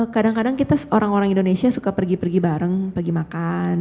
kadang kadang kita orang orang indonesia suka pergi pergi bareng pergi makan